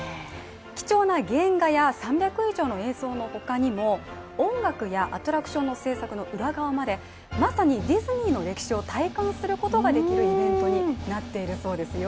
貴重な原画や３００以上の映像の他にも音楽やアトラクションの制作の裏側までまさにディズニーの歴史を体感することができるイベントになっているそうですよ。